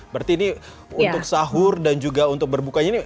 berarti ini untuk sahur dan juga untuk berbukanya ini